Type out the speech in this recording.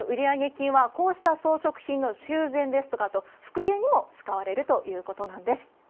金は、こうした装飾品の修繕ですとか、あと、復元にも使われるということなんです。